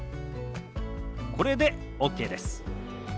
これでＯＫです。